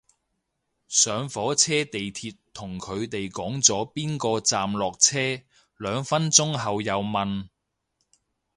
上火車地鐵同佢哋講咗邊個站落車，兩分鐘後又問